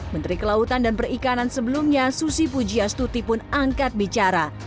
menteri kelautan dan perikanan sebelumnya susi pujiastuti pun angkat bicara